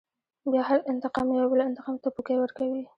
بيا هر انتقام يوه بل انتقام ته پوکی ورکوي.